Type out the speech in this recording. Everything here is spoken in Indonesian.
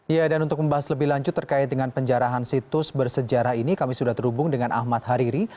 ya dan untuk membahas lebih lanjut terkait dengan penjarahan situs bersejarah ini kami sudah terhubung dengan ahmad hariri